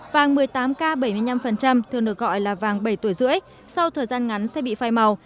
vàng một mươi tám k bảy mươi năm thường được gọi là vàng bảy tuổi rưỡi sau thời gian ngắn sẽ bị phai màu